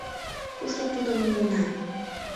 Кушто тудым муына?